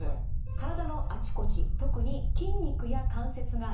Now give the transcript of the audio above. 体のあちこち特に筋肉や関節が痛みます。